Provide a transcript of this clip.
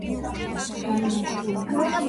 წარმოშობით ყიზილბაშური ტომიდან იყო.